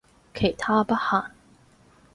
其他不限